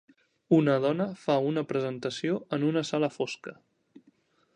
Una dona fa una presentació en una sala fosca.